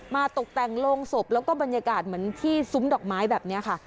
ตกแต่งโรงศพแล้วก็บรรยากาศเหมือนที่ซุ้มดอกไม้แบบนี้ค่ะ